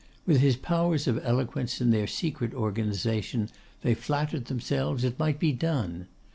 With his powers of eloquence and their secret organisation, they flattered themselves it might be done.